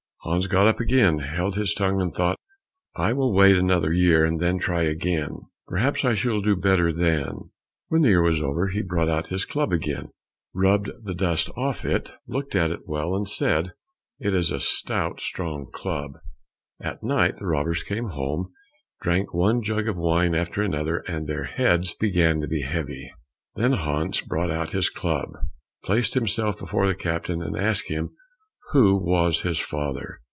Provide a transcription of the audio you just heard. Hans got up again, held his tongue, and thought, "I will wait another year and then try again, perhaps I shall do better then." When the year was over, he brought out his club again, rubbed the dust off it, looked at it well, and said, "It is a stout strong club." At night the robbers came home, drank one jug of wine after another, and their heads began to be heavy. Then Hans brought out his club, placed himself before the captain, and asked him who was his father?